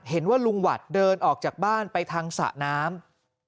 เห็นว่าลุงหวัดเดินออกจากบ้านไปทางสระน้ำ